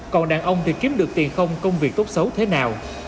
còn đàn ông thì kiếm được tiền không công việc tốt xấu thế nào